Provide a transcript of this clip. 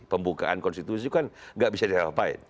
pembukaan konstitusi kan nggak bisa diapain